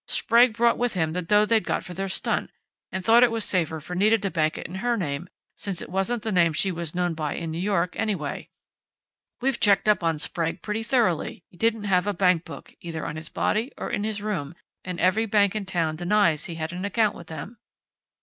Sprague brought with him the dough they'd got for their stunt, and thought it was safer for Nita to bank it in her name, since it wasn't the name she was known by in New York anyway. We've checked up on Sprague pretty thoroughly. He didn't have a bank book, either on his body or in his room, and every bank in town denies he had an account with them."